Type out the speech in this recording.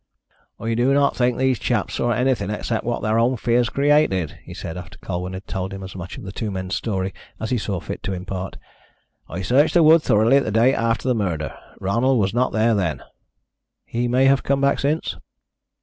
"I do not think these chaps saw anything except what their own fears created," he said, after Colwyn had told him as much of the two men's story as he saw fit to impart. "I searched the wood thoroughly the day after the murder. Ronald was not there then." "He may have come back since."